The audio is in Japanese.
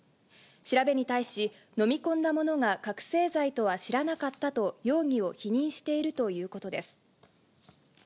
調べに対し、飲み込んだものが覚醒剤とは知らなかったと、容疑を否認しているということです。